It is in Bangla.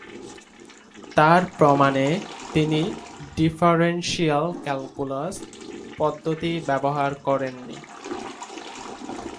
তার প্রমাণে তিনি ডিফারেনশিয়াল ক্যালকুলাস পদ্ধতি ব্যবহার করেননি।